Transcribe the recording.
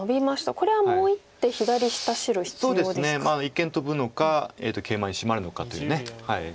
一間トブのかケイマにシマるのかという。